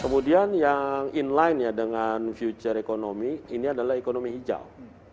kemudian yang inline ya dengan future economy ini adalah ekonomi hijau